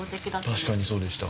確かにそうでした